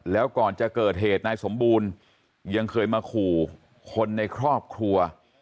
แล้วก่อนจะเกิดเหตุนายสมบูรณ์ยังเคยมาขู่คนในครอบครัว